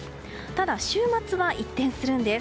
ただ、週末は一転するんです。